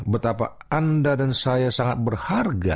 betapa anda dan saya sangat berharga